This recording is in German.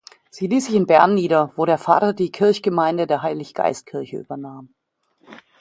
Sie liess sich in Bern nieder, wo der Vater die Kirchgemeinde der Heiliggeistkirche übernahm.